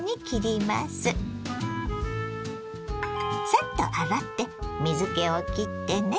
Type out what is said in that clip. サッと洗って水けをきってね。